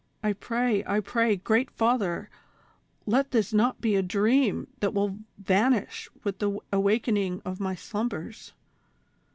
I pray, I pray, great Father, let this not be a dream that will vanish with the awakening of my slumbers